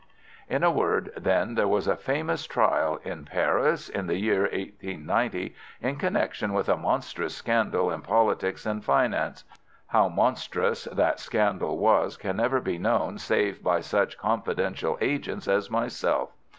"In a word, then, there was a famous trial in Paris, in the year 1890, in connection with a monstrous scandal in politics and finance. How monstrous that scandal was can never be known save by such confidential agents as myself.